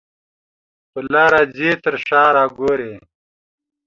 په لاره ځې تر شا را ګورې.